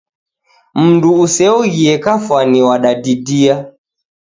Mundu useoghie kafwani wadadidia